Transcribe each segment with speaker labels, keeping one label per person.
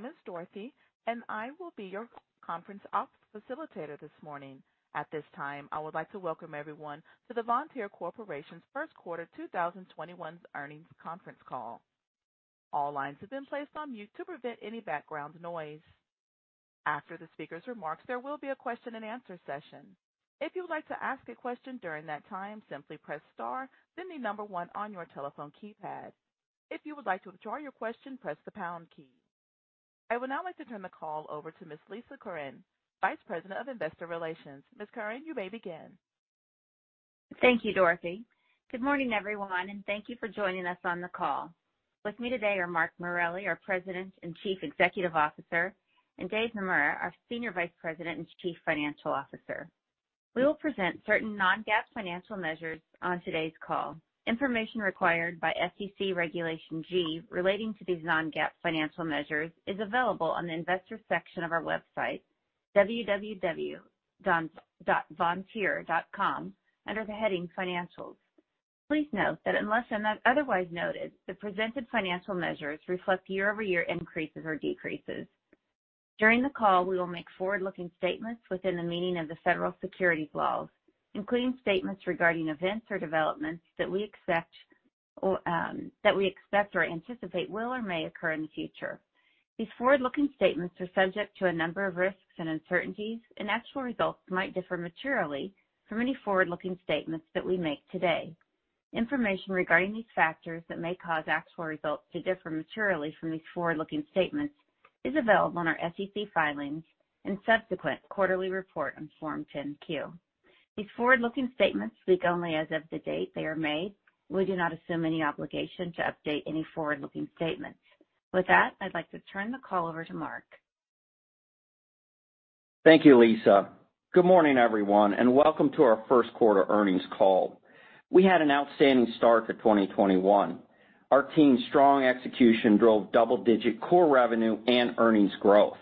Speaker 1: My name is Dorothy. I will be your conference ops facilitator this morning. At this time, I would like to welcome everyone to the Vontier Corporation's first quarter 2021 earnings conference call. All lines have been placed on mute to prevent any background noise. After the speaker's remarks, there will be a question and answer session. If you would like to ask a question during that time, simply press star, then the number one on your telephone keypad. If you would like to withdraw your question, press the pound key. I would now like to turn the call over to Ms. Lisa Curran, Vice President of Investor Relations. Ms. Curran, you may begin.
Speaker 2: Thank you, Dorothy. Good morning, everyone, thank you for joining us on the call. With me today are Mark Morelli, our President and Chief Executive Officer, and David Naemura, our Senior Vice President and Chief Financial Officer. We will present certain non-GAAP financial measures on today's call. Information required by SEC Regulation G relating to these non-GAAP financial measures is available on the investor section of our website, www.vontier.com, under the heading Financials. Please note that unless otherwise noted, the presented financial measures reflect year-over-year increases or decreases. During the call, we will make forward-looking statements within the meaning of the federal securities laws, including statements regarding events or developments that we expect or anticipate will or may occur in the future. These forward-looking statements are subject to a number of risks and uncertainties, actual results might differ materially from any forward-looking statements that we make today. Information regarding these factors that may cause actual results to differ materially from these forward-looking statements is available on our SEC filings and subsequent quarterly report on Form 10-Q. These forward-looking statements speak only as of the date they are made. We do not assume any obligation to update any forward-looking statements. With that, I'd like to turn the call over to Mark.
Speaker 3: Thank you, Lisa. Good morning, everyone, and welcome to our first quarter earnings call. We had an outstanding start to 2021. Our team's strong execution drove double-digit core revenue and earnings growth.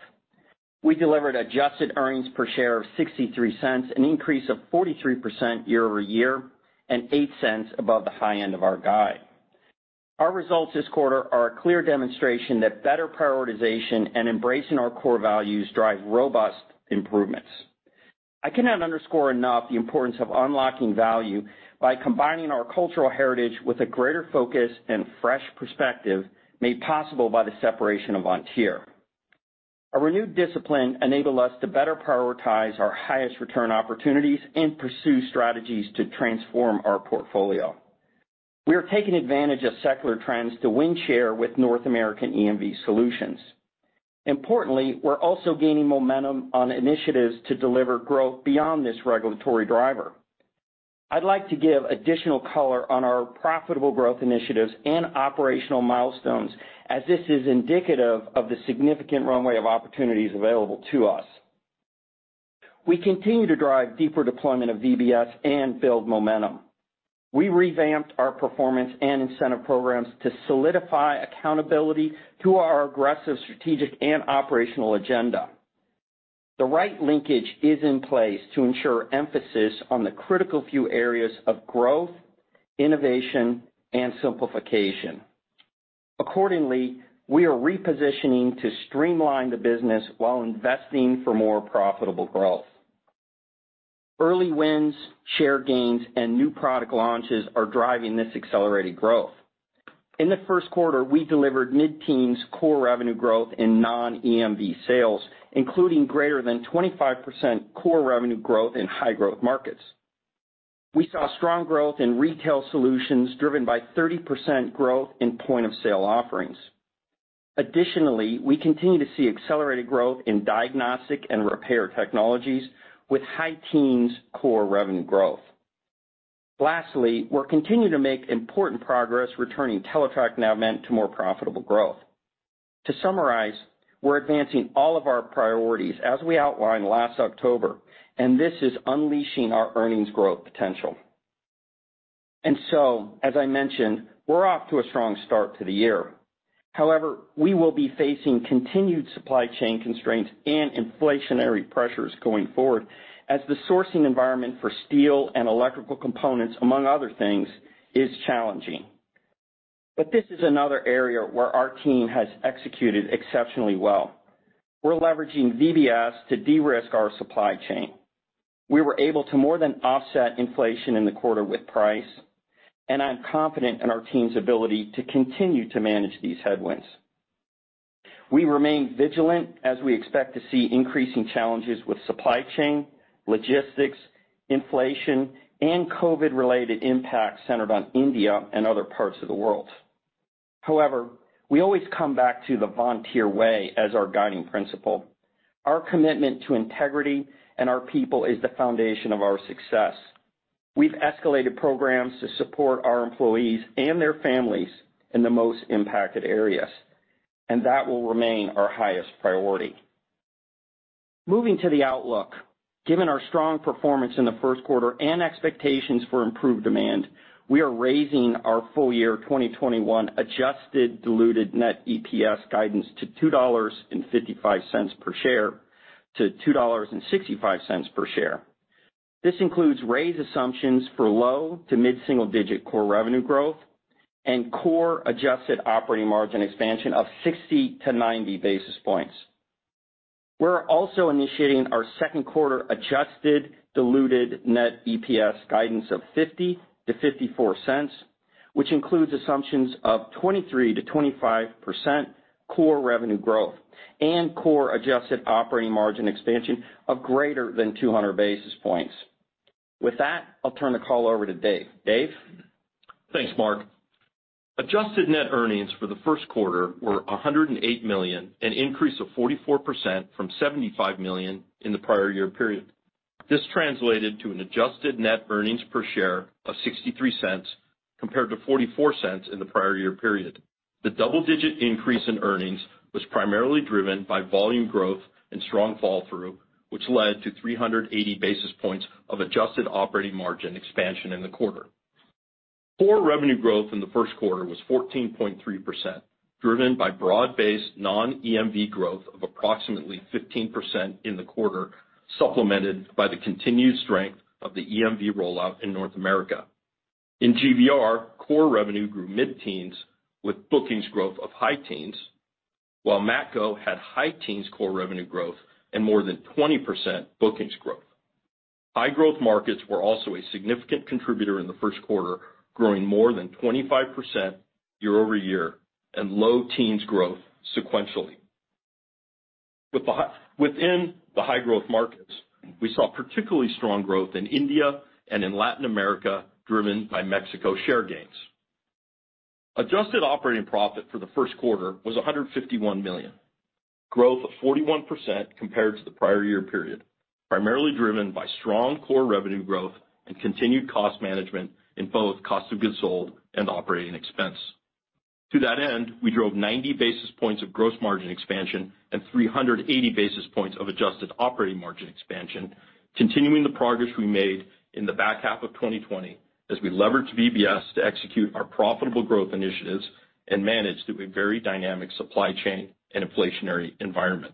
Speaker 3: We delivered adjusted earnings per share of $0.63, an increase of 43% year-over-year, and $0.08 above the high end of our guide. Our results this quarter are a clear demonstration that better prioritization and embracing our core values drive robust improvements. I cannot underscore enough the importance of unlocking value by combining our cultural heritage with a greater focus and fresh perspective made possible by the separation of Vontier. Our renewed discipline enabled us to better prioritize our highest return opportunities and pursue strategies to transform our portfolio. We are taking advantage of secular trends to win share with North American EMV solutions. We're also gaining momentum on initiatives to deliver growth beyond this regulatory driver. I'd like to give additional color on our profitable growth initiatives and operational milestones as this is indicative of the significant runway of opportunities available to us. We continue to drive deeper deployment of VBS and build momentum. We revamped our performance and incentive programs to solidify accountability to our aggressive strategic and operational agenda. The right linkage is in place to ensure emphasis on the critical few areas of growth, innovation, and simplification. We are repositioning to streamline the business while investing for more profitable growth. Early wins, share gains, and new product launches are driving this accelerated growth. In the first quarter, we delivered mid-teens core revenue growth in non-EMV sales, including greater than 25% core revenue growth in high-growth markets. We saw strong growth in retail solutions driven by 30% growth in point-of-sale offerings. Additionally, we continue to see accelerated growth in diagnostic and repair technologies with high teens core revenue growth. Lastly, we're continuing to make important progress returning Teletrac Navman to more profitable growth. As I mentioned, we're off to a strong start to the year. However, we will be facing continued supply chain constraints and inflationary pressures going forward as the sourcing environment for steel and electrical components, among other things, is challenging. This is another area where our team has executed exceptionally well. We're leveraging VBS to de-risk our supply chain. We were able to more than offset inflation in the quarter with price, and I'm confident in our team's ability to continue to manage these headwinds. We remain vigilant as we expect to see increasing challenges with supply chain, logistics, inflation, and COVID-related impacts centered on India and other parts of the world. However, we always come back to the Vontier Way as our guiding principle. Our commitment to integrity and our people is the foundation of our success. We've escalated programs to support our employees and their families in the most impacted areas, and that will remain our highest priority. Moving to the outlook. Given our strong performance in the first quarter and expectations for improved demand, we are raising our full year 2021 adjusted diluted net EPS guidance to $2.55-$2.65 per share. This includes raised assumptions for low to mid-single-digit core revenue growth and core adjusted operating margin expansion of 60-90 basis points. We're also initiating our second quarter adjusted diluted net EPS guidance of $0.50-$0.54, which includes assumptions of 23%-25% core revenue growth and core adjusted operating margin expansion of greater than 200 basis points. With that, I'll turn the call over to Dave. Dave?
Speaker 4: Thanks, Mark. Adjusted net earnings for the first quarter were $108 million, an increase of 44% from $75 million in the prior year period. This translated to an adjusted net earnings per share of $0.63, compared to $0.44 in the prior year period. The double-digit increase in earnings was primarily driven by volume growth and strong fall through, which led to 380 basis points of adjusted operating margin expansion in the quarter. Core revenue growth in the first quarter was 14.3%, driven by broad-based non-EMV growth of approximately 15% in the quarter, supplemented by the continued strength of the EMV rollout in North America. In GVR, core revenue grew mid-teens with bookings growth of high teens, while Matco had high teens core revenue growth and more than 20% bookings growth. High growth markets were also a significant contributor in the first quarter, growing more than 25% year-over-year and low teens growth sequentially. We saw particularly strong growth in India and in Latin America, driven by Mexico share gains. Adjusted operating profit for the first quarter was $151 million, growth of 41% compared to the prior year period, primarily driven by strong core revenue growth and continued cost management in both cost of goods sold and operating expense. To that end, we drove 90 basis points of gross margin expansion and 380 basis points of adjusted operating margin expansion, continuing the progress we made in the back half of 2020 as we leveraged VBS to execute our profitable growth initiatives and managed through a very dynamic supply chain and inflationary environment.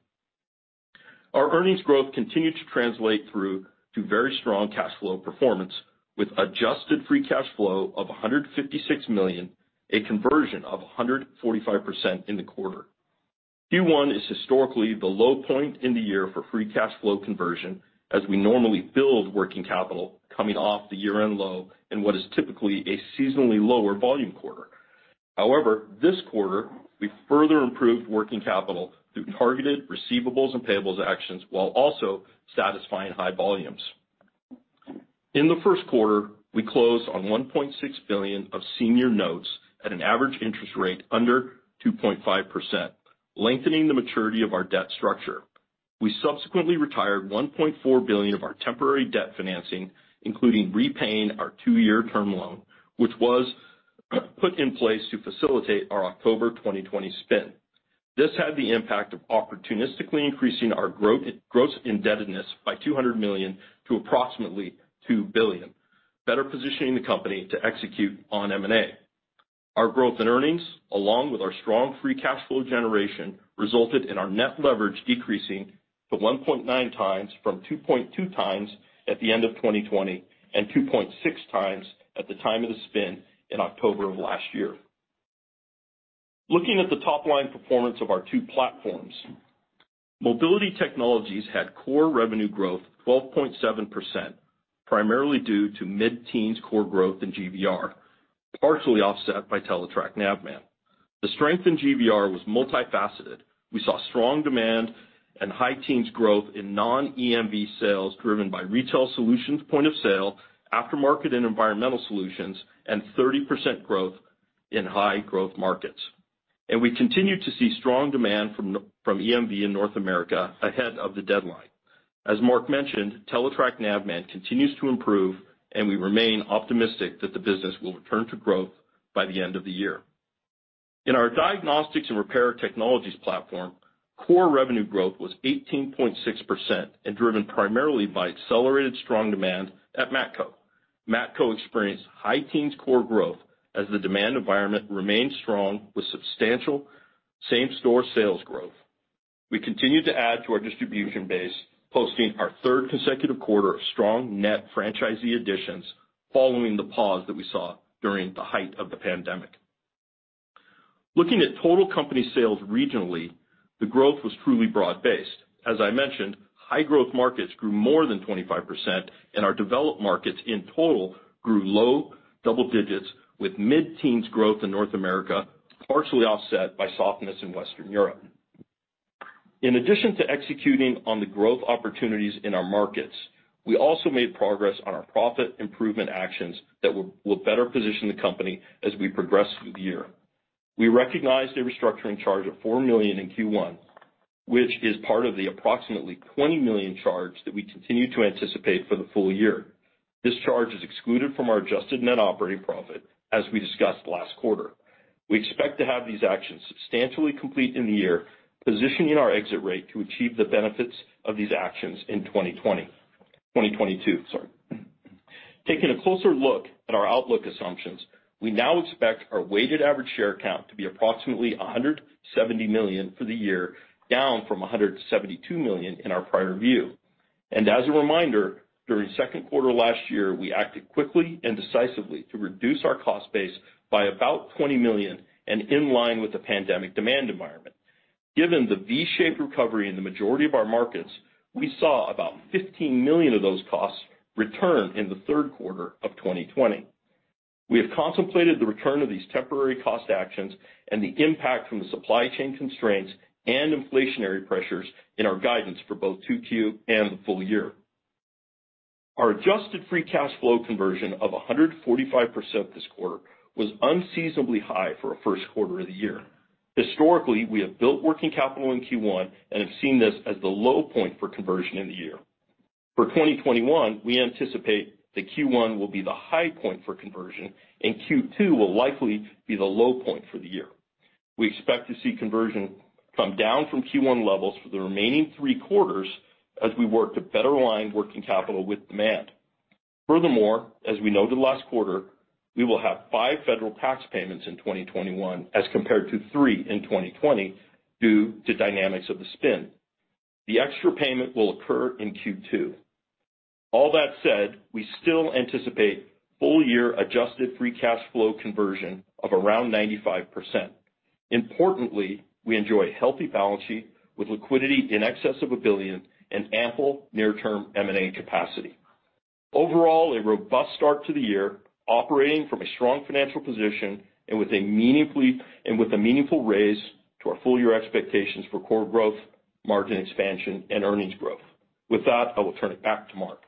Speaker 4: Our earnings growth continued to translate through to very strong cash flow performance with adjusted free cash flow of $156 million, a conversion of 145% in the quarter. Q1 is historically the low point in the year for free cash flow conversion, as we normally build working capital coming off the year-end low in what is typically a seasonally lower volume quarter. This quarter, we further improved working capital through targeted receivables and payables actions while also satisfying high volumes. In the first quarter, we closed on $1.6 billion of senior notes at an average interest rate under 2.5%, lengthening the maturity of our debt structure. We subsequently retired $1.4 billion of our temporary debt financing, including repaying our two-year term loan, which was put in place to facilitate our October 2020 spin. This had the impact of opportunistically increasing our gross indebtedness by $200 million to approximately $2 billion, better positioning the company to execute on M&A. Our growth and earnings, along with our strong free cash flow generation, resulted in our net leverage decreasing to 1.9x from 2.2x at the end of 2020 and 2.6x at the time of the spin in October of last year. Looking at the top-line performance of our two platforms, Mobility Technologies had core revenue growth of 12.7%, primarily due to mid-teens core growth in GVR, partially offset by Teletrac Navman. The strength in GVR was multifaceted. We saw strong demand and high teens growth in non-EMV sales driven by retail solutions point of sale, aftermarket and environmental solutions, and 30% growth in high growth markets. We continue to see strong demand from EMV in North America ahead of the deadline. As Mark mentioned, Teletrac Navman continues to improve, and we remain optimistic that the business will return to growth by the end of the year. In our Diagnostics & Repair Technologies platform, core revenue growth was 18.6% and driven primarily by accelerated strong demand at Matco. Matco experienced high teens core growth as the demand environment remained strong with substantial same-store sales growth. We continued to add to our distribution base, posting our third consecutive quarter of strong net franchisee additions following the pause that we saw during the height of the pandemic. Looking at total company sales regionally, the growth was truly broad-based. As I mentioned, high growth markets grew more than 25%, and our developed markets in total grew low double digits with mid-teens growth in North America, partially offset by softness in Western Europe. In addition to executing on the growth opportunities in our markets, we also made progress on our profit improvement actions that will better position the company as we progress through the year. We recognized a restructuring charge of $4 million in Q1, which is part of the approximately $20 million charge that we continue to anticipate for the full year. This charge is excluded from our adjusted net operating profit, as we discussed last quarter. We expect to have these actions substantially complete in the year, positioning our exit rate to achieve the benefits of these actions in 2020. 2022, sorry. Taking a closer look at our outlook assumptions, we now expect our weighted average share count to be approximately 170 million for the year, down from 172 million in our prior view. As a reminder, during second quarter last year, we acted quickly and decisively to reduce our cost base by about $20 million and in line with the pandemic demand environment. Given the V-shaped recovery in the majority of our markets, we saw about $15 million of those costs return in the third quarter of 2020. We have contemplated the return of these temporary cost actions and the impact from the supply chain constraints and inflationary pressures in our guidance for both 2Q and the full year. Our adjusted free cash flow conversion of 145% this quarter was unseasonably high for a first quarter of the year. Historically, we have built working capital in Q1 and have seen this as the low point for conversion in the year. For 2021, we anticipate that Q1 will be the high point for conversion, and Q2 will likely be the low point for the year. We expect to see conversion come down from Q1 levels for the remaining three quarters as we work to better align working capital with demand. Furthermore, as we noted last quarter, we will have five federal tax payments in 2021 as compared to three in 2020 due to dynamics of the spin. The extra payment will occur in Q2. All that said, we still anticipate full year adjusted free cash flow conversion of around 95%. Importantly, we enjoy a healthy balance sheet with liquidity in excess of $1 billion and ample near term M&A capacity. Overall, a robust start to the year, operating from a strong financial position, and with a meaningful raise to our full year expectations for core growth, margin expansion, and earnings growth. With that, I will turn it back to Mark.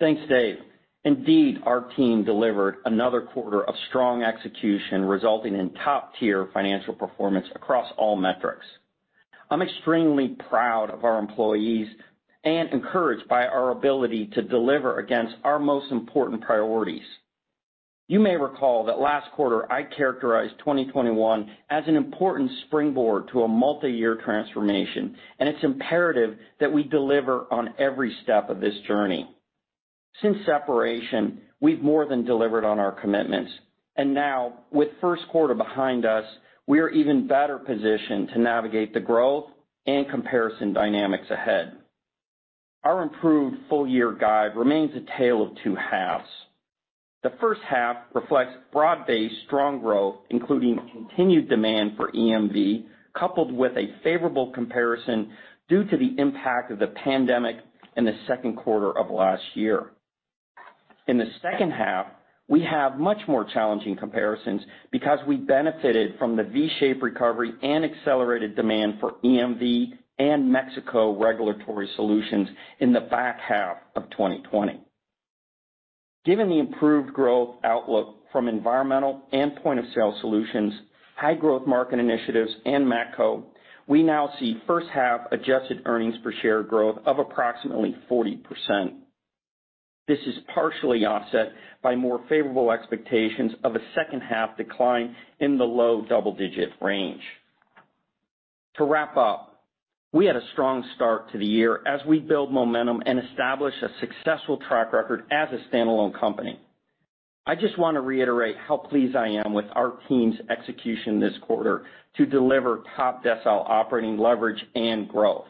Speaker 3: Thanks, Dave. Indeed, our team delivered another quarter of strong execution, resulting in top-tier financial performance across all metrics. I'm extremely proud of our employees and encouraged by our ability to deliver against our most important priorities. You may recall that last quarter I characterized 2021 as an important springboard to a multi-year transformation. It's imperative that we deliver on every step of this journey. Since separation, we've more than delivered on our commitments. Now, with first quarter behind us, we are even better positioned to navigate the growth and comparison dynamics ahead. Our improved full year guide remains a tale of two halves. The first half reflects broad-based strong growth, including continued demand for EMV, coupled with a favorable comparison due to the impact of the pandemic in the second quarter of last year. In the second half, we have much more challenging comparisons because we benefited from the V-shaped recovery and accelerated demand for EMV and Mexico regulatory solutions in the back half of 2020. Given the improved growth outlook from environmental and point-of-sale solutions, high-growth market initiatives, and Matco, we now see first half adjusted earnings per share growth of approximately 40%. This is partially offset by more favorable expectations of a second half decline in the low double-digit range. To wrap up, we had a strong start to the year as we build momentum and establish a successful track record as a standalone company. I just want to reiterate how pleased I am with our team's execution this quarter to deliver top decile operating leverage and growth.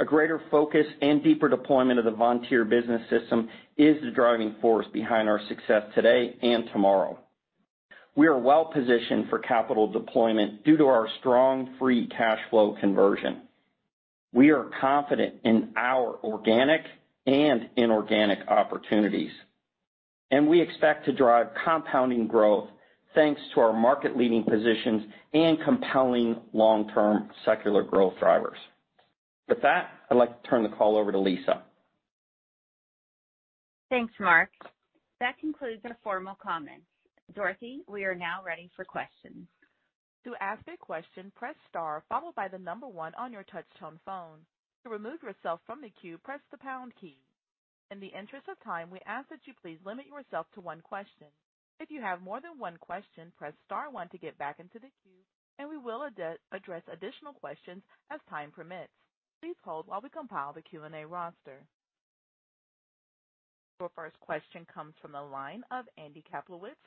Speaker 3: A greater focus and deeper deployment of the Vontier Business System is the driving force behind our success today and tomorrow. We are well-positioned for capital deployment due to our strong free cash flow conversion. We are confident in our organic and inorganic opportunities, we expect to drive compounding growth thanks to our market leading positions and compelling long-term secular growth drivers. With that, I'd like to turn the call over to Lisa.
Speaker 2: Thanks, Mark. That concludes the formal comments. Dorothy, we are now ready for questions.
Speaker 1: Your first question comes from the line of Andrew Kaplowitz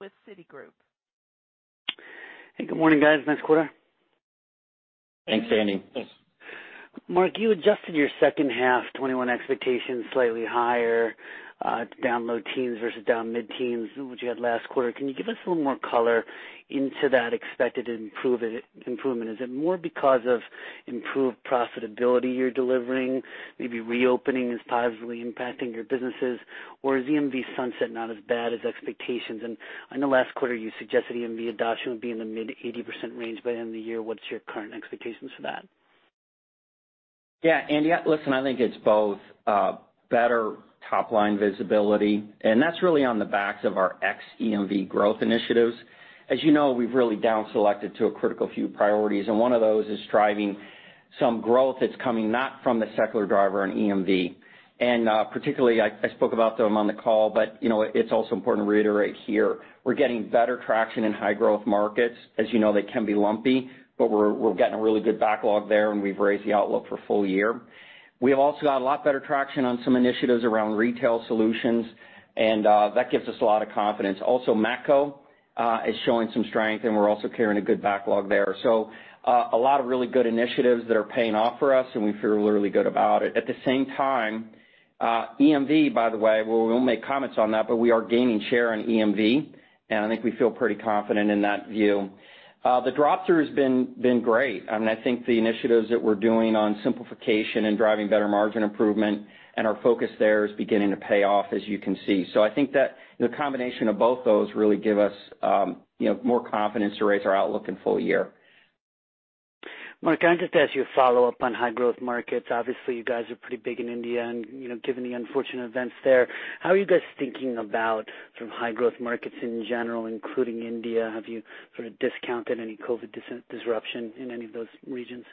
Speaker 1: with Citigroup.
Speaker 5: Hey, good morning, guys. Nice quarter.
Speaker 3: Thanks, Andy.
Speaker 4: Thanks.
Speaker 5: Mark, you adjusted your second half 2021 expectations slightly higher, down low teens versus down mid-teens, which you had last quarter. Can you give us a little more color into that expected improvement? Is it more because of improved profitability you're delivering, maybe reopening is positively impacting your businesses, or is EMV sunset not as bad as expectations? I know last quarter you suggested EMV adoption would be in the mid-80% range by the end of the year. What's your current expectations for that?
Speaker 3: Yeah, Andy. Listen, I think it's both better top line visibility, and that's really on the backs of our ex-EMV growth initiatives. As you know, we've really down selected to a critical few priorities, and one of those is driving some growth that's coming not from the secular driver in EMV. Particularly I spoke about them on the call, but it's also important to reiterate here, we're getting better traction in high growth markets. As you know, they can be lumpy, but we're getting a really good backlog there, and we've raised the outlook for full year. We have also got a lot better traction on some initiatives around Retail Solutions, and that gives us a lot of confidence. Also Matco is showing some strength, and we're also carrying a good backlog there. A lot of really good initiatives that are paying off for us, and we feel really good about it. At the same time, EMV, by the way, we won't make comments on that, but we are gaining share on EMV, and I think we feel pretty confident in that view. The drop through has been great. I think the initiatives that we're doing on simplification and driving better margin improvement and our focus there is beginning to pay off, as you can see. I think that the combination of both those really give us more confidence to raise our outlook in full year.
Speaker 5: Mark, can I just ask you a follow-up on high growth markets? Obviously, you guys are pretty big in India and, given the unfortunate events there, how are you guys thinking about sort of high growth markets in general, including India? Have you sort of discounted any COVID disruption in any of those regions?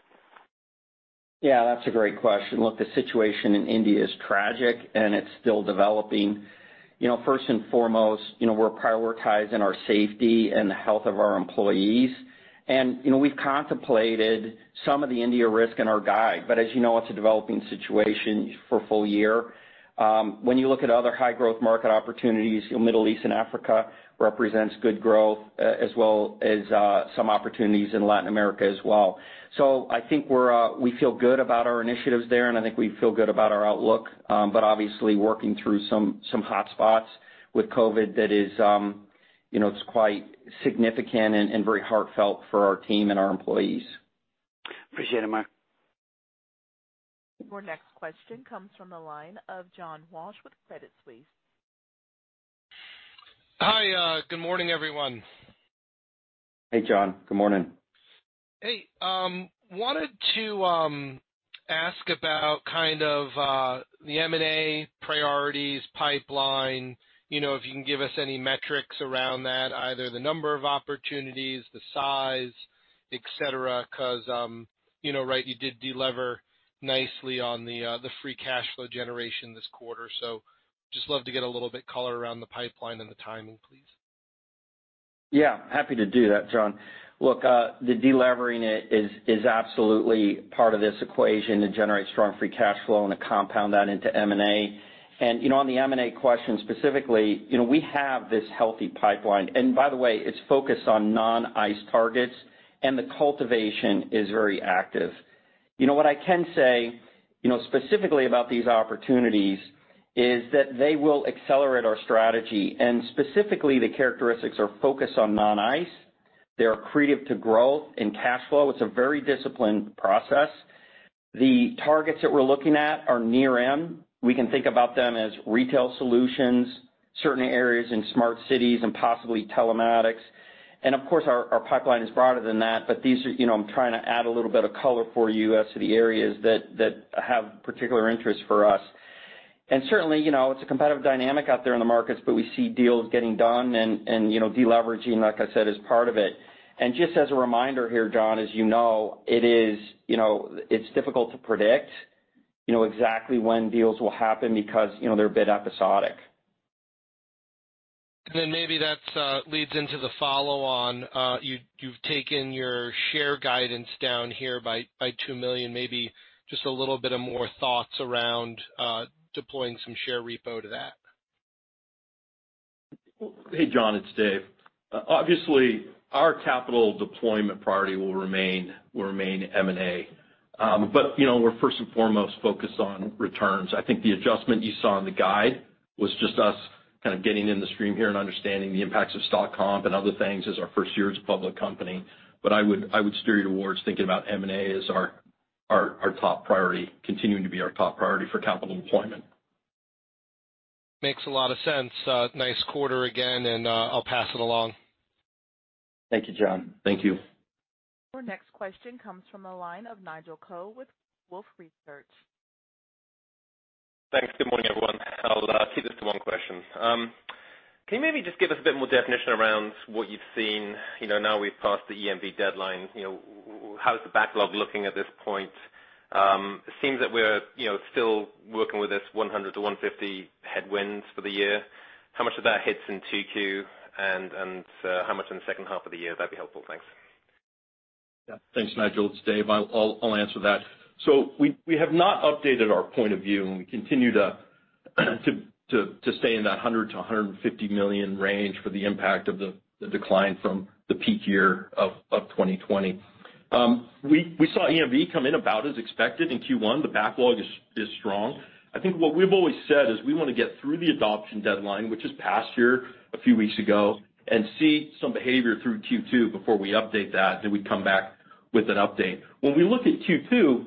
Speaker 3: Yeah, that's a great question. Look, the situation in India is tragic, and it's still developing. First and foremost, we're prioritizing our safety and the health of our employees. We've contemplated some of the India risk in our guide, but as you know, it's a developing situation for full year. When you look at other high growth market opportunities, Middle East and Africa represents good growth, as well as some opportunities in Latin America as well. I think we feel good about our initiatives there, and I think we feel good about our outlook. Obviously working through some hotspots with COVID that is quite significant and very heartfelt for our team and our employees.
Speaker 5: Appreciate it, Mark.
Speaker 1: Your next question comes from the line of John Walsh with Credit Suisse.
Speaker 6: Hi. Good morning, everyone.
Speaker 3: Hey, John. Good morning.
Speaker 6: Hey. I wanted to ask about kind of the M&A priorities pipeline, if you can give us any metrics around that, either the number of opportunities, the size, et cetera. You did de-lever nicely on the free cash flow generation this quarter. Just love to get a little bit color around the pipeline and the timing, please.
Speaker 3: Yeah, happy to do that, John. Look, the de-levering is absolutely part of this equation to generate strong free cash flow and to compound that into M&A. On the M&A question, specifically, we have this healthy pipeline. By the way, it's focused on non-ICE targets, and the cultivation is very active. What I can say, specifically about these opportunities is that they will accelerate our strategy, and specifically the characteristics are focused on non-ICE. They're accretive to growth and cash flow. It's a very disciplined process. The targets that we're looking at are near-in. We can think about them as retail solutions, certain areas in smart cities, and possibly telematics. Of course, our pipeline is broader than that, but I'm trying to add a little bit of color for you as to the areas that have particular interest for us. Certainly, it's a competitive dynamic out there in the markets, but we see deals getting done and de-leveraging, like I said, is part of it. Just as a reminder here, John, as you know, it's difficult to predict exactly when deals will happen because they're a bit episodic.
Speaker 6: Maybe that leads into the follow-on. You've taken your share guidance down here by $2 million, maybe just a little bit of more thoughts around deploying some share repo to that.
Speaker 4: Hey, John, it's Dave. Obviously, our capital deployment priority will remain M&A. We're first and foremost focused on returns. I think the adjustment you saw in the guide was just us kind of getting in the stream here and understanding the impacts of stock comp and other things as our first year as a public company. I would steer you towards thinking about M&A as our top priority, continuing to be our top priority for capital deployment.
Speaker 6: Makes a lot of sense. Nice quarter again, and I'll pass it along.
Speaker 3: Thank you, John.
Speaker 4: Thank you.
Speaker 1: Our next question comes from the line of Nigel Coe with Wolfe Research.
Speaker 7: Thanks. Good morning, everyone. I'll keep this to one question. Can you maybe just give us a bit more definition around what you've seen? Now we've passed the EMV deadline. How is the backlog looking at this point? It seems that we're still working with this $100-$150 headwinds for the year. How much of that hits in 2Q and how much in the second half of the year? That'd be helpful. Thanks.
Speaker 4: Thanks, Nigel. It's Dave. I'll answer that. We have not updated our point of view, and we continue to stay in that $100 million-$150 million range for the impact of the decline from the peak year of 2020. We saw EMV come in about as expected in Q1. The backlog is strong. I think what we've always said is we want to get through the adoption deadline, which is past year, a few weeks ago, and see some behavior through Q2 before we update that, then we come back with an update. When we look at Q2,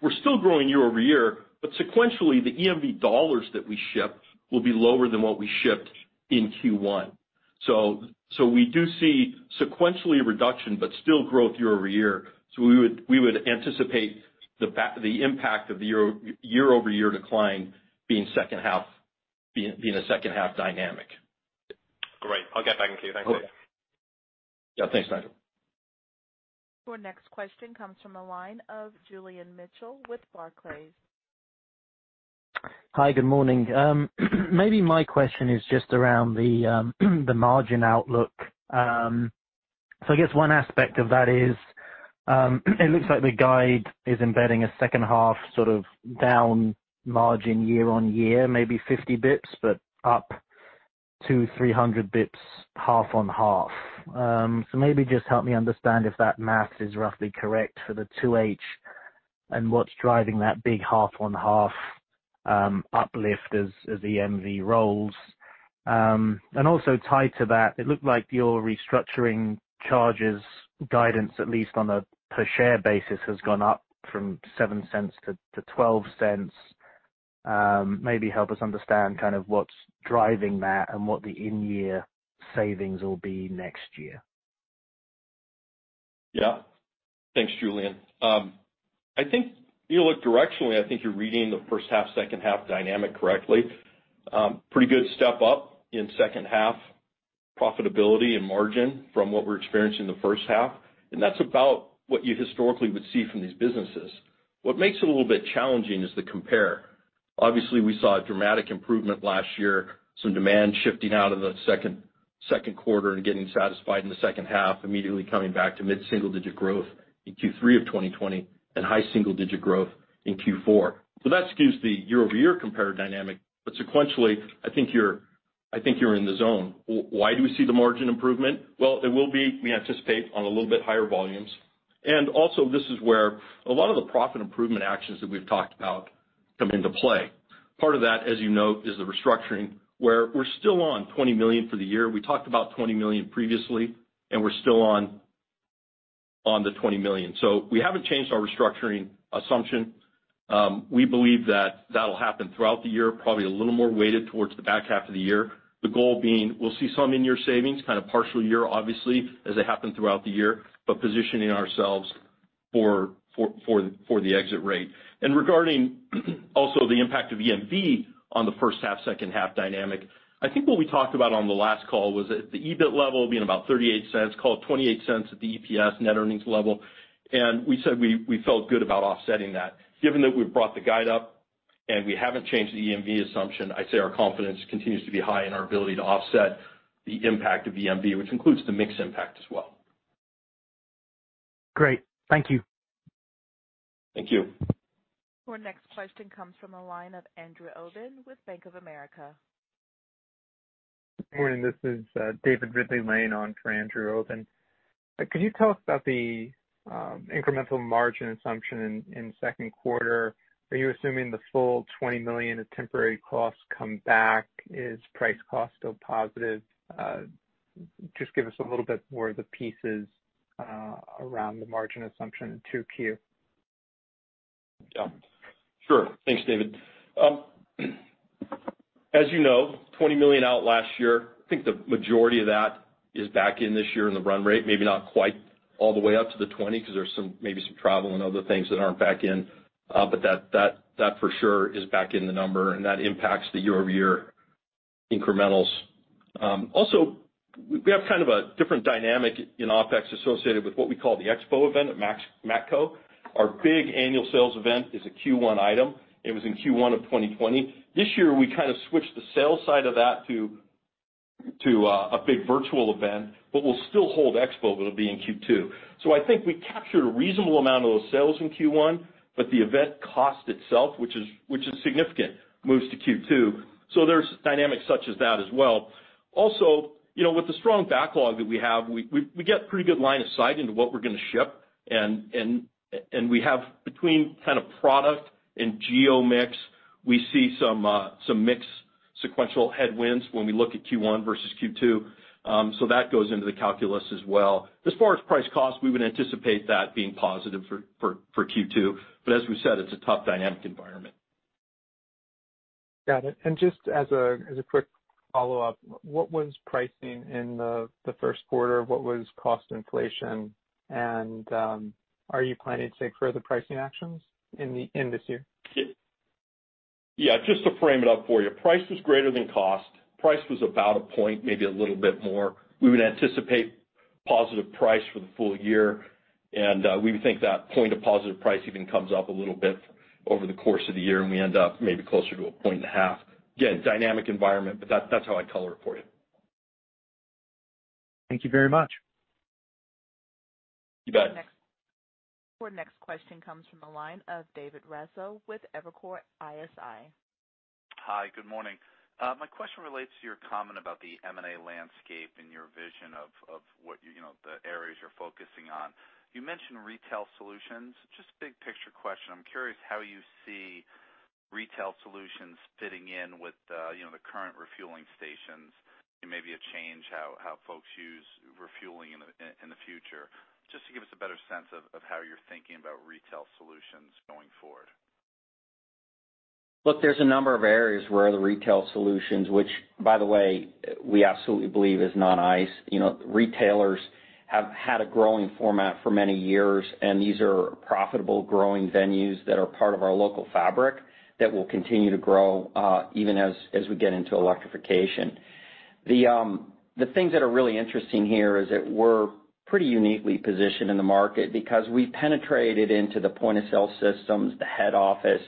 Speaker 4: we're still growing year-over-year, but sequentially, the EMV dollars that we ship will be lower than what we shipped in Q1. We do see sequentially a reduction, but still growth year-over-year. We would anticipate the impact of the year-over-year decline being a second half dynamic.
Speaker 7: Great. I'll get back in queue. Thank you.
Speaker 4: Yeah. Thanks, Nigel.
Speaker 1: Your next question comes from the line of Julian Mitchell with Barclays.
Speaker 8: Hi, good morning. Maybe my question is just around the margin outlook. I guess one aspect of that is it looks like the guide is embedding a second half sort of down margin year-on-year, maybe 50 basis points, but up to 300 basis points half-on-half. Maybe just help me understand if that math is roughly correct for the 2H and what's driving that big half-on-half uplift as EMV rolls. Also tied to that, it looked like your restructuring charges guidance, at least on a per share basis, has gone up from $0.07-$0.12. Help us understand kind of what's driving that and what the in-year savings will be next year.
Speaker 4: Thanks, Julian. I think if you look directionally, I think you're reading the first half, second half dynamic correctly. Pretty good step up in second half profitability and margin from what we're experiencing in the first half. That's about what you historically would see from these businesses. What makes it a little bit challenging is the compare. Obviously, we saw a dramatic improvement last year, some demand shifting out of the second quarter and getting satisfied in the second half, immediately coming back to mid-single-digit growth in Q3 of 2020 and high single-digit growth in Q4. Sequentially, I think you're in the zone. Why do we see the margin improvement? Well, it will be, we anticipate, on a little bit higher volumes. This is where a lot of the profit improvement actions that we've talked about come into play. Part of that, as you note, is the restructuring, where we're still on $20 million for the year. We talked about $20 million previously, we're still on the $20 million. We haven't changed our restructuring assumption. We believe that that'll happen throughout the year, probably a little more weighted towards the back half of the year. The goal being, we'll see some in-year savings, kind of partial year, obviously, as they happen throughout the year, but positioning ourselves for the exit rate. Regarding also the impact of EMV on the first half, second half dynamic, I think what we talked about on the last call was at the EBIT level being about $0.38, call it $0.28 at the EPS net earnings level. We said we felt good about offsetting that. Given that we've brought the guide up and we haven't changed the EMV assumption, I'd say our confidence continues to be high in our ability to offset the impact of EMV, which includes the mix impact as well.
Speaker 8: Great. Thank you.
Speaker 4: Thank you.
Speaker 1: Our next question comes from the line of Andrew Obin with Bank of America.
Speaker 9: Morning, this is David Ridley-Lane laying on for Andrew Obin. Could you tell us about the incremental margin assumption in the second quarter? Are you assuming the full $20 million of temporary costs come back? Is price cost still positive? Just give us a little bit more of the pieces around the margin assumption in 2Q.
Speaker 4: Sure. Thanks, David. As you know, $20 million out last year. I think the majority of that is back in this year in the run rate. Maybe not quite all the way up to the $20 because there's maybe some travel and other things that aren't back in. That for sure is back in the number, and that impacts the year-over-year incrementals. We have kind of a different dynamic in OpEx associated with what we call the Expo event at Matco. Our big annual sales event is a Q1 item. It was in Q1 of 2020. This year, we kind of switched the sales side of that to a big virtual event. We'll still hold Expo, but it'll be in Q2. I think we captured a reasonable amount of those sales in Q1, but the event cost itself, which is significant, moves to Q2. There's dynamics such as that as well. Also, with the strong backlog that we have, we get pretty good line of sight into what we're gonna ship. We have between kind of product and geo mix, we see some mix sequential headwinds when we look at Q1 versus Q2, so that goes into the calculus as well. As far as price cost, we would anticipate that being positive for Q2. As we said, it's a tough dynamic environment.
Speaker 9: Got it. Just as a quick follow-up, what was pricing in the first quarter? What was cost inflation? Are you planning to take further pricing actions in this year?
Speaker 4: Yeah. Just to frame it up for you, price was greater than cost. Price was about a point, maybe a little bit more. We would anticipate positive price for the full year, and we would think that point of positive price even comes up a little bit over the course of the year, and we end up maybe closer to a point and a half. Again, dynamic environment, but that's how I'd color report it.
Speaker 9: Thank you very much.
Speaker 4: You bet.
Speaker 1: Our next question comes from the line of David Raso with Evercore ISI.
Speaker 10: Hi. Good morning. My question relates to your comment about the M&A landscape and your vision of the areas you're focusing on. You mentioned retail solutions. Just a big picture question. I'm curious how you see retail solutions fitting in with the current refueling stations and maybe a change how folks use refueling in the future. Just to give us a better sense of how you're thinking about retail solutions going forward.
Speaker 3: Look, there's a number of areas where the retail solutions, which, by the way, we absolutely believe is non-ICE. Retailers have had a growing format for many years. These are profitable growing venues that are part of our local fabric that will continue to grow even as we get into electrification. The things that are really interesting here is that we're pretty uniquely positioned in the market because we penetrated into the point-of-sale systems, the head office,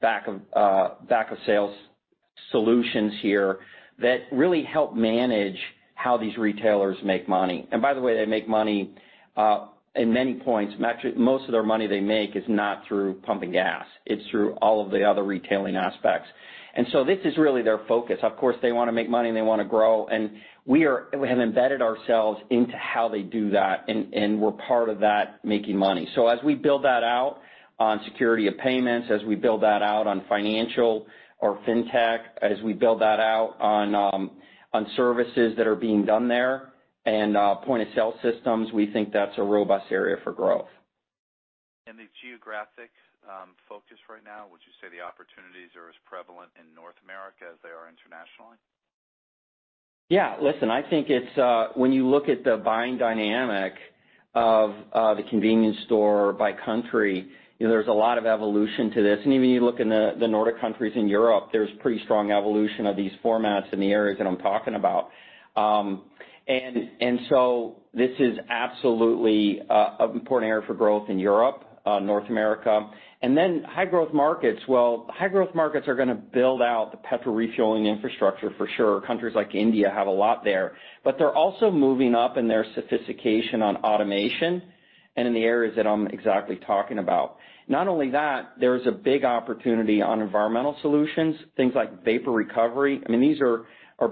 Speaker 3: back of sales-solutions here that really help manage how these retailers make money. By the way, they make money in many points. Most of their money they make is not through pumping gas. It's through all of the other retailing aspects. This is really their focus. Of course, they want to make money, and they want to grow, and we have embedded ourselves into how they do that, and we're part of that making money. As we build that out on security of payments, as we build that out on financial or fintech, as we build that out on services that are being done there and point-of-sale systems, we think that's a robust area for growth.
Speaker 10: The geographic focus right now, would you say the opportunities are as prevalent in North America as they are internationally?
Speaker 3: Yeah. Listen, I think when you look at the buying dynamic of the convenience store by country, there's a lot of evolution to this. Even you look in the Nordic countries in Europe, there's pretty strong evolution of these formats in the areas that I'm talking about. This is absolutely an important area for growth in Europe, North America. High growth markets, well, high growth markets are going to build out the petrol refueling infrastructure for sure. Countries like India have a lot there. They're also moving up in their sophistication on automation and in the areas that I'm exactly talking about. Not only that, there's a big opportunity on environmental solutions, things like vapor recovery. These are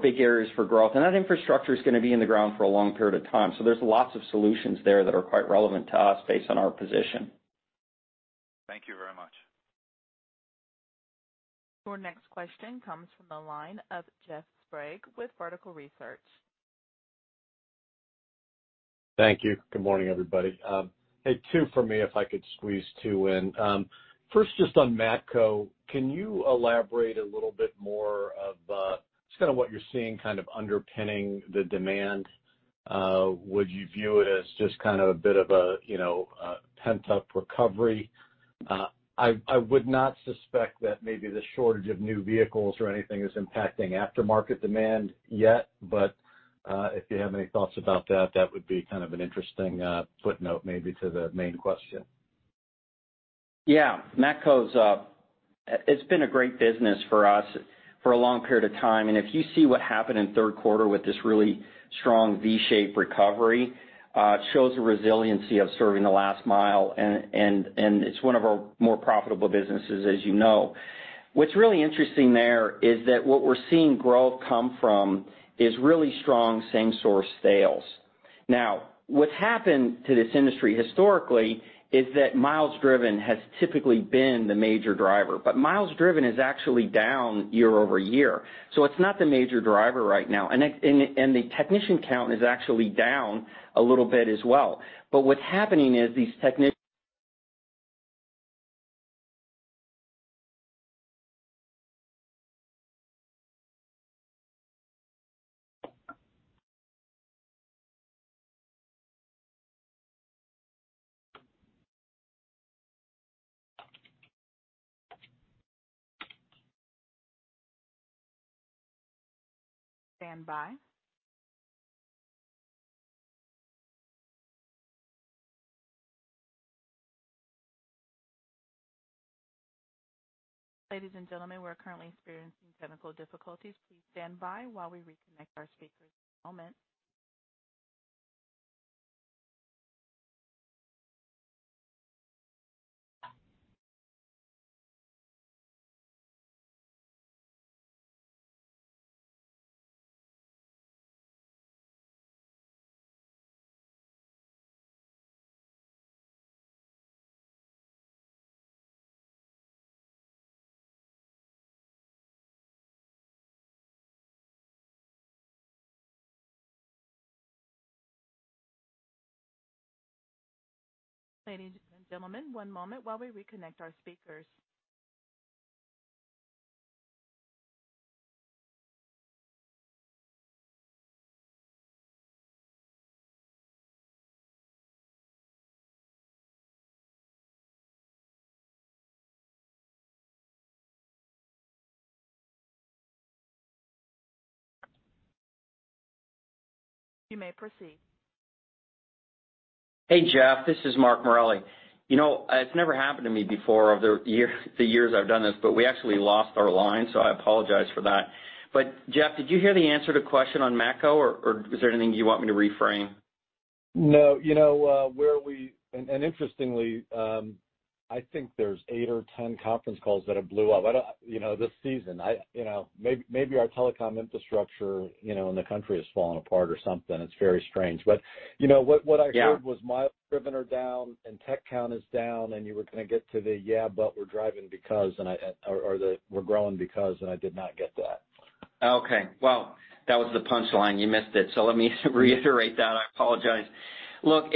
Speaker 3: big areas for growth. That infrastructure is going to be in the ground for a long period of time. There's lots of solutions there that are quite relevant to us based on our position.
Speaker 10: Thank you very much.
Speaker 1: Your next question comes from the line of Jeff Sprague with Vertical Research.
Speaker 11: Thank you. Good morning, everybody. Hey, two for me, if I could squeeze two in. Just on Matco, can you elaborate a little bit more of just kind of what you're seeing kind of underpinning the demand? Would you view it as just kind of a bit of a pent-up recovery? I would not suspect that maybe the shortage of new vehicles or anything is impacting aftermarket demand yet. If you have any thoughts about that would be kind of an interesting footnote maybe to the main question.
Speaker 3: Yeah. Matco, it's been a great business for us for a long period of time. If you see what happened in the third quarter with this really strong V-shaped recovery, it shows the resiliency of serving the last mile, and it's one of our more profitable businesses, as you know. What's really interesting there is that what we're seeing growth come from is really strong same-store sales. Now, what's happened to this industry historically is that miles driven has typically been the major driver. Miles driven is actually down year-over-year. It's not the major driver right now. The technician count is actually down a little bit as well. What's happening is these techni-
Speaker 1: Standby. Ladies and gentlemen, we're currently experiencing technical difficulties. Please stand by while we reconnect our speakers. One moment. Ladies and gentlemen, one moment while we reconnect our speakers. You may proceed.
Speaker 3: Hey, Jeff, this is Mark Morelli. It's never happened to me before over the years I've done this, but we actually lost our line, so I apologize for that. Jeff, did you hear the answer to the question on Matco, or is there anything you want me to reframe?
Speaker 11: No. Interestingly, I think there's eight or 10 conference calls that have blew up this season. Maybe our telecom infrastructure in the country has fallen apart or something. It's very strange. What I heard.
Speaker 3: Yeah
Speaker 11: was miles driven are down and tech count is down, and you were going to get to the, "Yeah, but we're driving because," or the, "We're growing because," and I did not get that.
Speaker 3: Okay. Well, that was the punchline. You missed it. Let me reiterate that. I apologize. Look,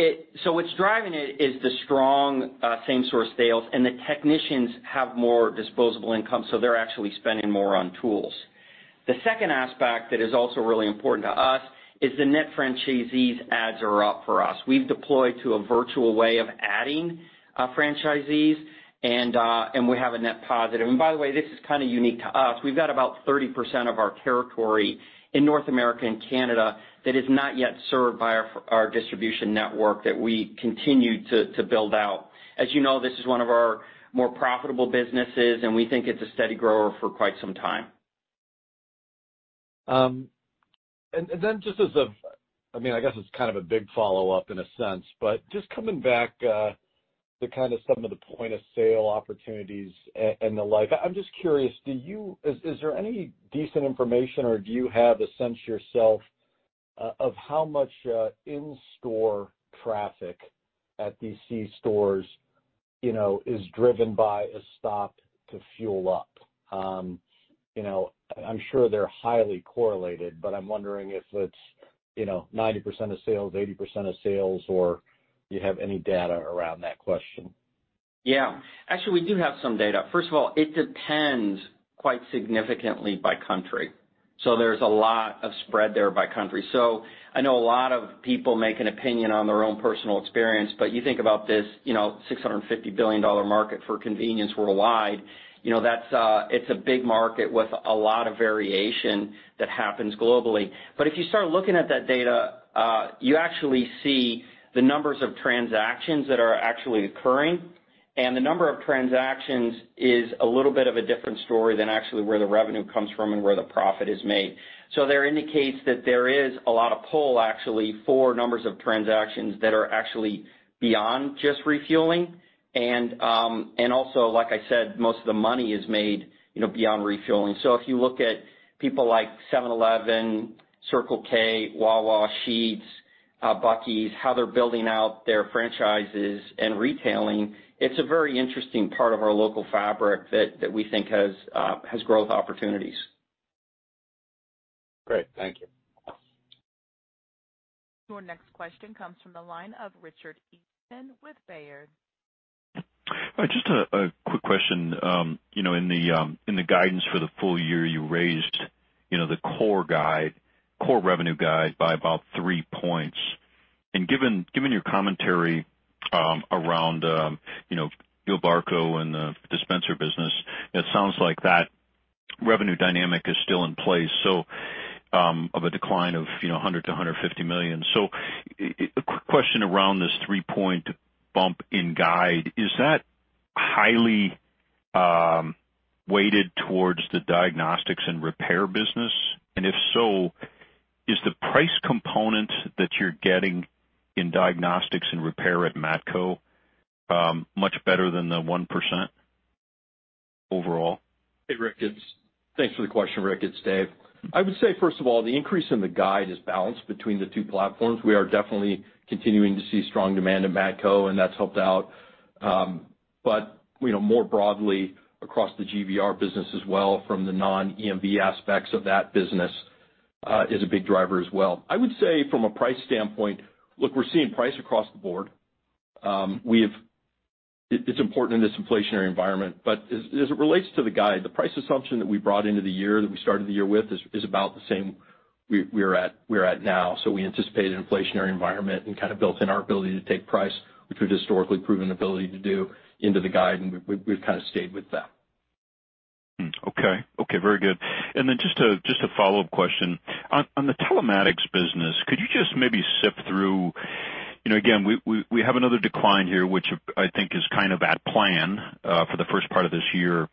Speaker 3: what's driving it is the strong same-store sales, and the technicians have more disposable income, so they're actually spending more on tools. The second aspect that is also really important to us is the net franchisees adds are up for us. We've deployed to a virtual way of adding franchisees, and we have a net positive. By the way, this is kind of unique to us. We've got about 30% of our territory in North America and Canada that is not yet served by our distribution network that we continue to build out. As you know, this is one of our more profitable businesses, and we think it's a steady grower for quite some time.
Speaker 11: Just as a, I guess it's kind of a big follow-up in a sense, but just coming back to kind of some of the point-of-sale opportunities and the like, I'm just curious, is there any decent information, or do you have a sense yourself of how much in-store traffic at these C-stores is driven by a stop to fuel up? I'm sure they're highly correlated, but I'm wondering if it's 90% of sales, 80% of sales, or do you have any data around that question?
Speaker 3: Yeah. Actually, we do have some data. First of all, it depends quite significantly by country. There's a lot of spread there by country. I know a lot of people make an opinion on their own personal experience, but you think about this $650 billion market for convenience worldwide, it's a big market with a lot of variation that happens globally. If you start looking at that data, you actually see the numbers of transactions that are actually occurring, and the number of transactions is a little bit of a different story than actually where the revenue comes from and where the profit is made. There indicates that there is a lot of pull, actually, for numbers of transactions that are actually beyond just refueling. Also, like I said, most of the money is made beyond refueling. If you look at people like 7-Eleven, Circle K, Wawa, Sheetz, Buc-ee's, how they're building out their franchises and retailing, it's a very interesting part of our local fabric that we think has growth opportunities.
Speaker 11: Great. Thank you.
Speaker 1: Your next question comes from the line of Richard Eastman with Baird.
Speaker 12: Just a quick question. In the guidance for the full year, you raised the core guide, core revenue guide by about three points. Given your commentary around Gilbarco and the dispenser business, it sounds like that revenue dynamic is still in place, so of a decline of $100 million-$150 million. A question around this three-point bump in guide, is that highly weighted towards the diagnostics and repair business? If so, is the price component that you're getting in diagnostics and repair at Matco much better than the 1% overall?
Speaker 4: Hey, Richard Eastman. Thanks for the question, Richard Eastman. It's David Naemura. I would say, first of all, the increase in the guide is balanced between the two platforms. We are definitely continuing to see strong demand in Matco, and that's helped out. More broadly across the GVR business as well from the non-EMV aspects of that business is a big driver as well. I would say from a price standpoint, look, we're seeing price across the board. It's important in this inflationary environment. As it relates to the guide, the price assumption that we brought into the year, that we started the year with is about the same we're at now. We anticipate an inflationary environment and kind of built in our ability to take price, which we've historically proven ability to do into the guide, and we've kind of stayed with that.
Speaker 12: Okay. Very good. Then just a follow-up question. On the telematics business, could you just maybe sift through, again, we have another decline here, which I think is kind of at plan for the first part of this year.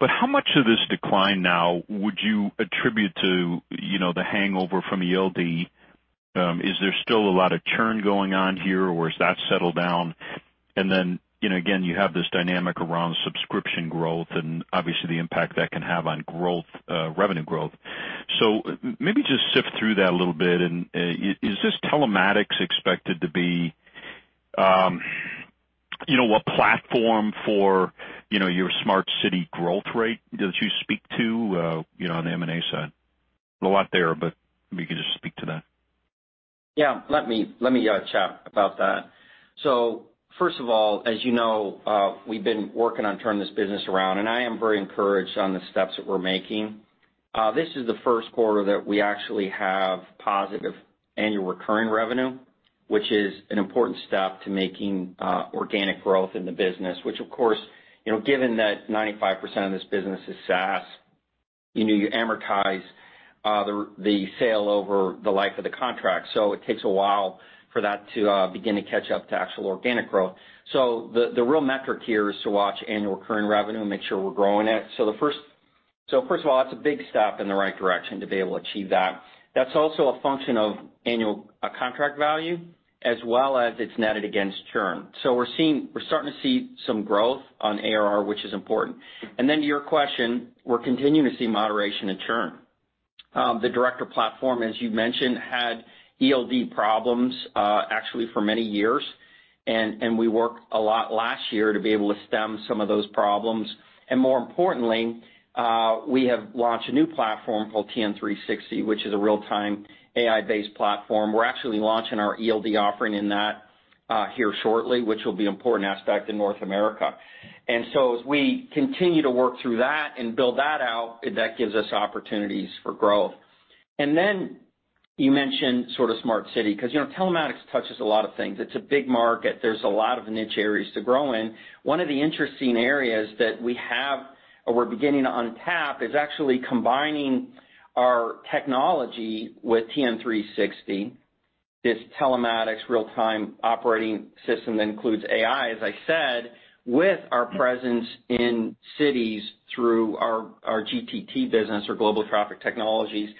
Speaker 12: How much of this decline now would you attribute to the hangover from ELD? Is there still a lot of churn going on here, or has that settled down? Then, again, you have this dynamic around subscription growth and obviously the impact that can have on revenue growth. Maybe just sift through that a little bit, and is this telematics expected to be a platform for your smart city growth rate that you speak to on the M&A side? A lot there, if you could just speak to that.
Speaker 3: Yeah. Let me chat about that. First of all, as you know, we've been working on turning this business around, and I am very encouraged on the steps that we're making. This is the first quarter that we actually have positive annual recurring revenue, which is an important step to making organic growth in the business, which, of course, given that 95% of this business is SaaS, you amortize the sale over the life of the contract. It takes a while for that to begin to catch up to actual organic growth. The real metric here is to watch annual recurring revenue and make sure we're growing it. First of all, that's a big step in the right direction to be able to achieve that. That's also a function of annual contract value as well as it's netted against churn. We're starting to see some growth on ARR, which is important. To your question, we're continuing to see moderation in churn. The DIRECTOR platform, as you mentioned, had ELD problems actually for many years, and we worked a lot last year to be able to stem some of those problems. More importantly, we have launched a new platform called TN360, which is a real-time AI-based platform. We're actually launching our ELD offering in that here shortly, which will be an important aspect in North America. As we continue to work through that and build that out, that gives us opportunities for growth. You mentioned sort of smart city, because telematics touches a lot of things. It's a big market. There's a lot of niche areas to grow in. One of the interesting areas that we have or we're beginning to untap is actually combining our technology with TN360. This telematics real-time operating system includes AI, as I said, with our presence in cities through our GTT business or Global Traffic Technologies.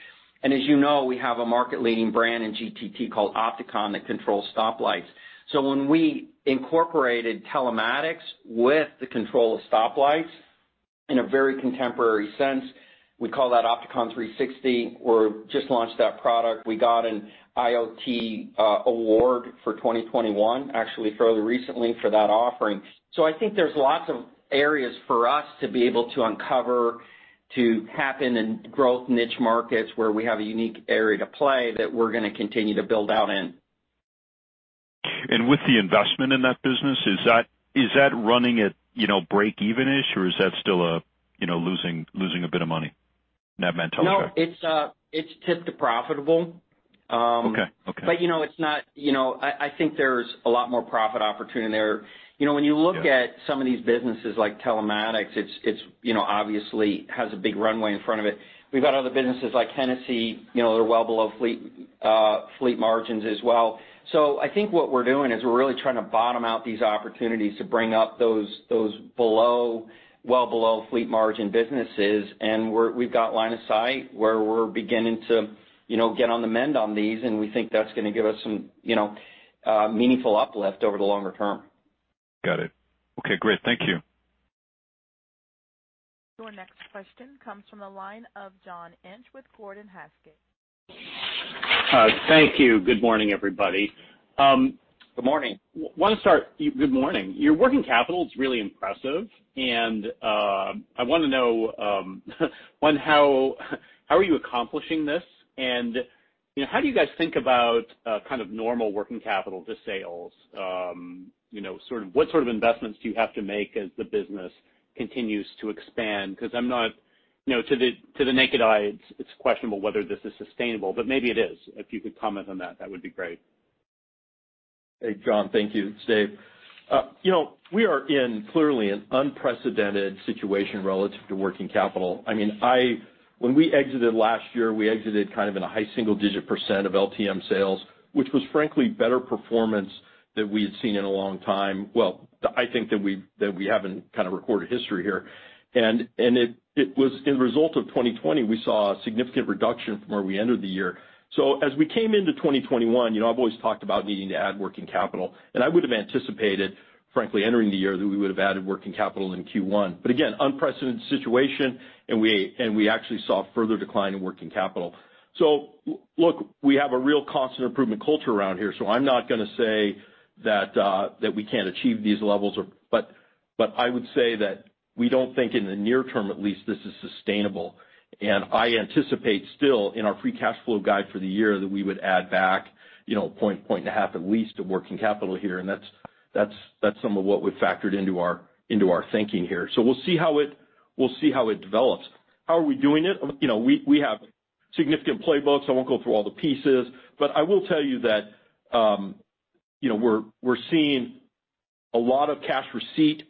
Speaker 3: As you know, we have a market-leading brand in GTT called Opticom that controls stoplights. When we incorporated telematics with the control of stoplights in a very contemporary sense, we call that Opticom 360. We just launched that product. We got an IoT award for 2021, actually fairly recently for that offering. I think there's lots of areas for us to be able to uncover to tap in and growth niche markets where we have a unique area to play that we're going to continue to build out in.
Speaker 12: With the investment in that business, is that running at breakeven-ish, or is that still losing a bit of money? Teletrac Navman.
Speaker 3: No, it's tip to profitable.
Speaker 12: Okay.
Speaker 3: I think there's a lot more profit opportunity there. When you look at some of these businesses like Telematics, it obviously has a big runway in front of it. We've got other businesses like Hennessy, they're well below fleet margins as well. I think what we're doing is we're really trying to bottom out these opportunities to bring up those well below fleet margin businesses. We've got line of sight where we're beginning to get on the mend on these, and we think that's going to give us some meaningful uplift over the longer term.
Speaker 12: Got it. Okay, great. Thank you.
Speaker 1: Your next question comes from the line of John Inch with Gordon Haskett.
Speaker 13: Thank you. Good morning, everybody.
Speaker 4: Good morning.
Speaker 13: Good morning. Your working capital is really impressive, and I want to know how are you accomplishing this? How do you guys think about kind of normal working capital to sales? What sort of investments do you have to make as the business continues to expand? To the naked eye, it's questionable whether this is sustainable, but maybe it is. If you could comment on that would be great.
Speaker 4: Hey, John. Thank you. It's David. We are in clearly an unprecedented situation relative to working capital. When we exited last year, we exited kind of in a high single-digit percent of LTM sales, which was frankly better performance than we had seen in a long time. I think that we haven't kind of recorded history here. It was in result of 2020, we saw a significant reduction from where we ended the year. As we came into 2021, I've always talked about needing to add working capital, and I would've anticipated, frankly, entering the year that we would've added working capital in Q1. Again, unprecedented situation, and we actually saw further decline in working capital. Look, we have a real constant improvement culture around here, so I'm not going to say that we can't achieve these levels. I would say that we don't think in the near term, at least, this is sustainable. I anticipate still in our free cash flow guide for the year that we would add back point and a half at least of working capital here. That's some of what we've factored into our thinking here. We'll see how it develops. How are we doing it? We have significant playbooks. I won't go through all the pieces, but I will tell you that we're seeing a lot of cash receipt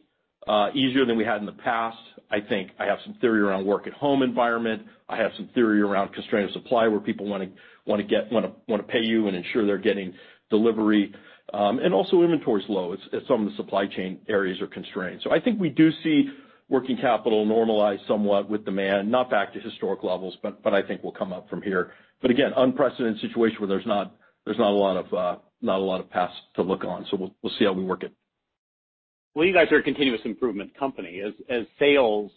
Speaker 4: easier than we had in the past, I think. I have some theory around work at home environment. I have some theory around constrained supply where people want to pay you and ensure they're getting delivery. Also inventory's low as some of the supply chain areas are constrained. I think we do see working capital normalize somewhat with demand, not back to historic levels, but I think we'll come up from here. Again, unprecedented situation where there's not a lot of paths to look on. We'll see how we work it.
Speaker 13: Well, you guys are a continuous improvement company. As sales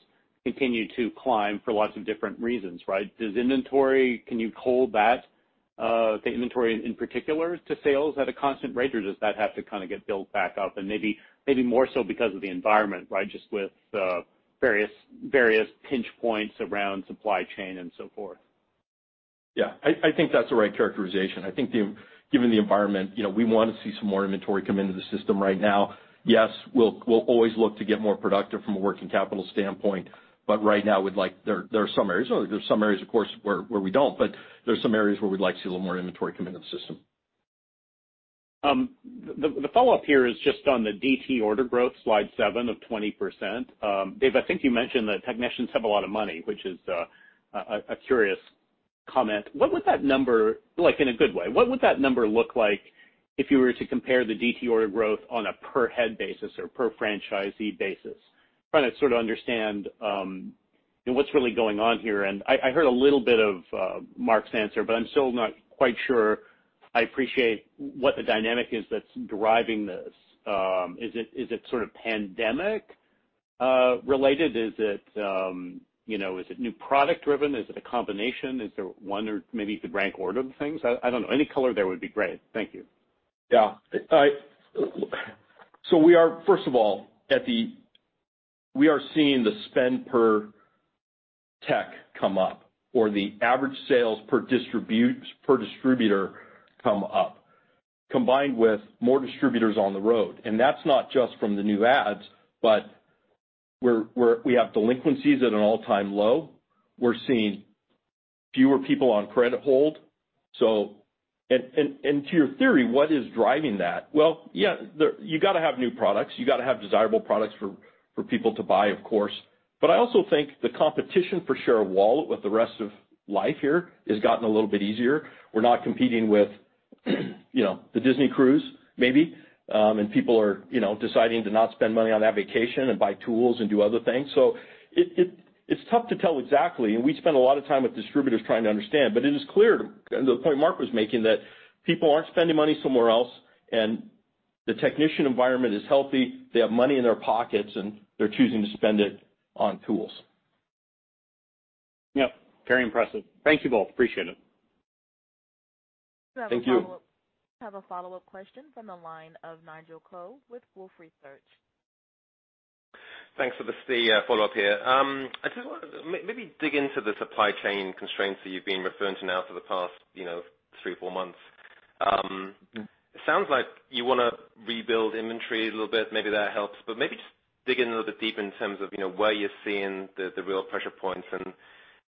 Speaker 13: continue to climb for lots of different reasons, right? Can you hold that inventory in particular to sales at a constant rate, or does that have to kind of get built back up and maybe more so because of the environment, right? Just with various pinch points around supply chain and so forth.
Speaker 4: I think that's the right characterization. I think given the environment, we want to see some more inventory come into the system right now. We'll always look to get more productive from a working capital standpoint, but right now there are some areas. There's some areas, of course, where we don't, but there's some areas where we'd like to see a little more inventory come into the system.
Speaker 13: The follow-up here is just on the DT order growth, slide seven of 20%. Dave, I think you mentioned that technicians have a lot of money, which is a curious comment. What would that number look like if you were to compare the DT order growth on a per head basis or per franchisee basis? Trying to sort of understand what's really going on here. I heard a little bit of Mark's answer, but I'm still not quite sure I appreciate what the dynamic is that's driving this. Is it sort of pandemic related? Is it new product driven? Is it a combination? Is there one or maybe you could rank order the things? I don't know. Any color there would be great. Thank you.
Speaker 4: We are, first of all, we are seeing the spend per tech come up or the average sales per distributor come up, combined with more distributors on the road. That's not just from the new ads, but we have delinquencies at an all-time low. We're seeing fewer people on credit hold. To your theory, what is driving that? You got to have new products. You got to have desirable products for people to buy, of course. I also think the competition for share of wallet with the rest of life here has gotten a little bit easier. We're not competing with the Disney Cruise, maybe, and people are deciding to not spend money on that vacation and buy tools and do other things. It's tough to tell exactly, and we spend a lot of time with distributors trying to understand, but it is clear, and the point Mark was making, that people aren't spending money somewhere else, and the technician environment is healthy. They have money in their pockets, and they're choosing to spend it on tools.
Speaker 13: Yep. Very impressive. Thank you both. Appreciate it.
Speaker 4: Thank you.
Speaker 1: We have a follow-up question from the line of Nigel Coe with Wolfe Research.
Speaker 7: Thanks for the seat. Follow up here. I just want to maybe dig into the supply chain constraints that you've been referring to now for the past three or four months. It sounds like you want to rebuild inventory a little bit. Maybe that helps, but maybe just dig in a little bit deeper in terms of where you're seeing the real pressure points and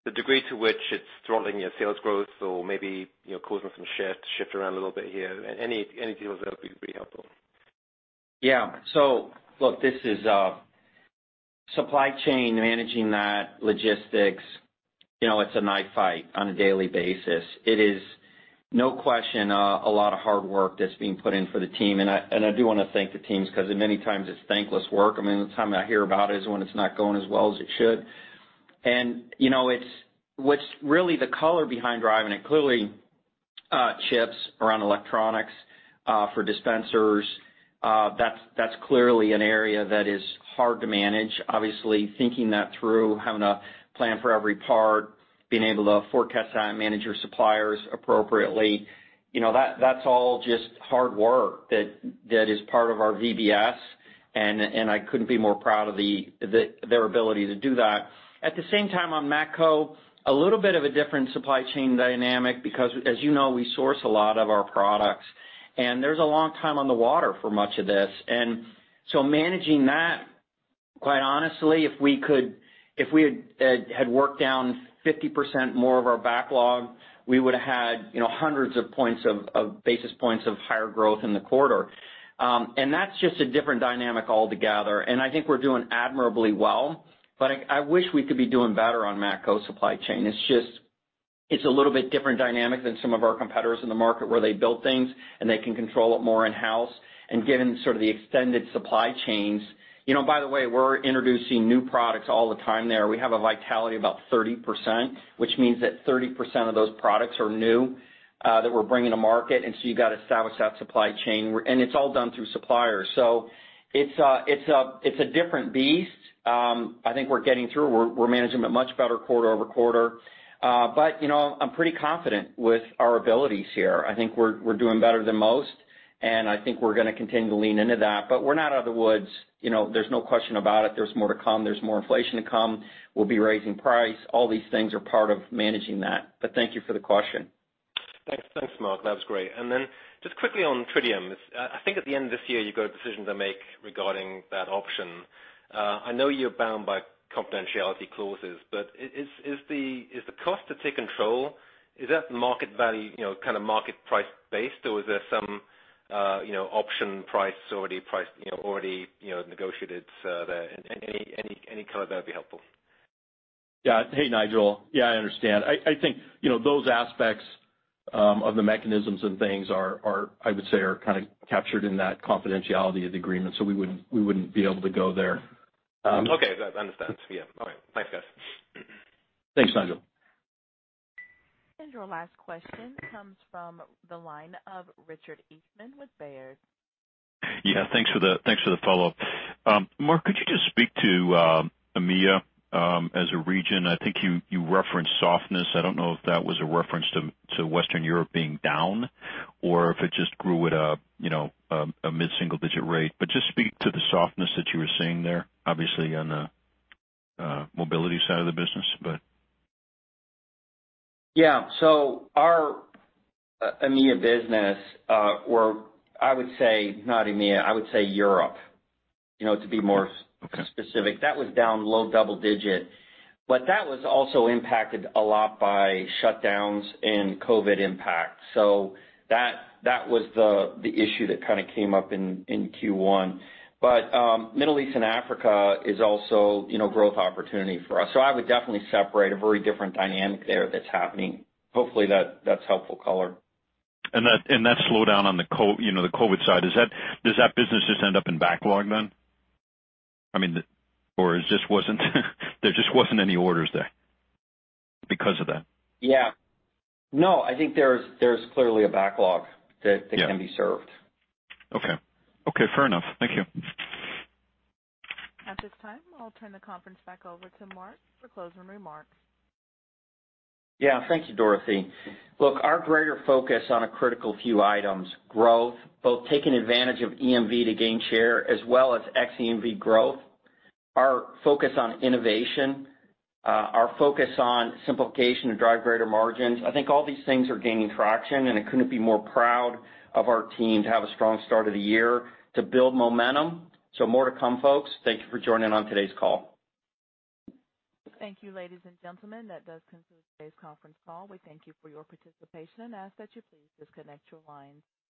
Speaker 7: the degree to which it's throttling your sales growth or maybe causing some shift around a little bit here. Any details there would be helpful.
Speaker 3: Yeah. Look, this is supply chain, managing that logistics, it's a knife fight on a daily basis. It is, no question, a lot of hard work that's being put in for the team, and I do want to thank the teams because many times it's thankless work. The only time I hear about it is when it's not going as well as it should. What's really the color behind driving it, clearly chips around electronics for dispensers. That's clearly an area that is hard to manage. Obviously thinking that through, having a plan for every part, being able to forecast and manage your suppliers appropriately. That's all just hard work that is part of our VBS, and I couldn't be more proud of their ability to do that. At the same time, on Matco, a little bit of a different supply chain dynamic because as you know, we source a lot of our products, and there's a long time on the water for much of this. Managing that, quite honestly, if we had worked down 50% more of our backlog, we would've had hundreds of basis points of higher growth in the quarter. That's just a different dynamic altogether, and I think we're doing admirably well, but I wish we could be doing better on Matco's supply chain. It's a little bit different dynamic than some of our competitors in the market where they build things and they can control it more in-house, and given sort of the extended supply chains. By the way, we're introducing new products all the time there. We have a vitality of about 30%, which means that 30% of those products are new that we're bringing to market. You've got to establish that supply chain, and it's all done through suppliers. It's a different beast. I think we're getting through. We're managing a much better quarter-over-quarter. I'm pretty confident with our abilities here. I think we're doing better than most, and I think we're gonna continue to lean into that. We're not out of the woods. There's no question about it. There's more to come. There's more inflation to come. We'll be raising price. All these things are part of managing that. Thank you for the question.
Speaker 7: Thanks, Mark. That was great. Just quickly on Driivz, I think at the end of this year, you've got a decision to make regarding that option. I know you're bound by confidentiality clauses, but is the cost to take control, is that market value kind of market price based, or is there some option price already negotiated there? Any color there would be helpful.
Speaker 4: Yeah. Hey, Nigel. Yeah, I understand. I think those aspects of the mechanisms and things are, I would say, are kind of captured in that confidentiality of the agreement, so we wouldn't be able to go there.
Speaker 7: Okay. Understood. Yeah. All right. Thanks, guys.
Speaker 4: Thanks, Nigel.
Speaker 1: Your last question comes from the line of Richard Eastman with Baird.
Speaker 12: Yeah, thanks for the follow-up. Mark, could you just speak to EMEA as a region? I think you referenced softness. I don't know if that was a reference to Western Europe being down or if it just grew at a mid-single digit rate. Just speak to the softness that you were seeing there, obviously on the mobility side of the business, but.
Speaker 3: Yeah. Our EMEA business or I would say not EMEA, I would say Europe, to be more specific. That was down low double-digit, but that was also impacted a lot by shutdowns and COVID impact. That was the issue that kind of came up in Q1. Middle East and Africa is also growth opportunity for us. I would definitely separate a very different dynamic there that's happening. Hopefully, that's helpful color.
Speaker 12: That slowdown on the COVID side, does that business just end up in backlog then? There just wasn't any orders there because of that?
Speaker 3: I think there's clearly a backlog that can be served.
Speaker 12: Yeah. Okay. Fair enough. Thank you.
Speaker 1: At this time, I'll turn the conference back over to Mark for closing remarks.
Speaker 3: Yeah. Thank you, Dorothy. Look, our greater focus on a critical few items, growth, both taking advantage of EMV to gain share as well as xEMV growth, our focus on innovation, our focus on simplification to drive greater margins. I think all these things are gaining traction, and I couldn't be more proud of our team to have a strong start of the year to build momentum. More to come, folks. Thank you for joining on today's call.
Speaker 1: Thank you, ladies and gentlemen. That does conclude today's conference call. We thank you for your participation and ask that you please disconnect your lines.